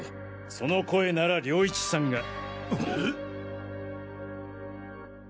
その声なら涼一さんが。え？